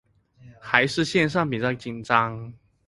還是線上比較緊張